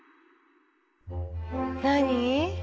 何？